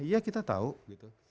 iya kita tau gitu